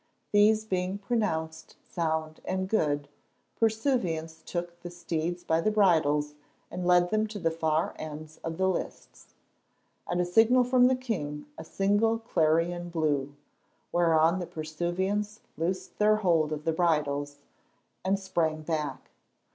These being pronounced sound and good, pursuivants took the steeds by the bridles and led them to the far ends of the lists. At a signal from the king a single clarion blew, whereon the pursuivants loosed their hold of the bridles and sprang back.